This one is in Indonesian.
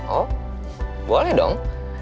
oh boleh dong